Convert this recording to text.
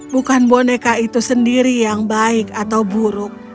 bukan boneka itu sendiri yang baik atau buruk